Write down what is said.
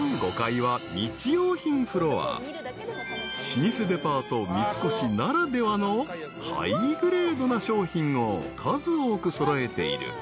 ［老舗デパート三越ならではのハイグレードな商品を数多く揃えている］